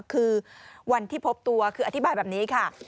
คือวันที่พบตัวคืออธิบายแบบนี้ค่ะ